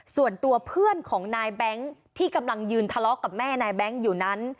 ส่วนตัวเพื่อนของนายแบงค์ที่กำลังยืนทะเลาะกับแม่นายแบงค์อยู่นั้น